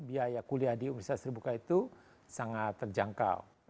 biaya kuliah di universitas terbuka itu sangat terjangkau